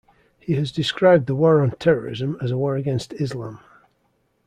He has described the War on Terrorism as a war against Islam.